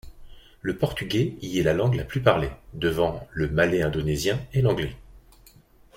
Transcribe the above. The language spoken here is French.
Le portugais y est la langue la plus parlée, devant le malais-indonésien et l'anglais.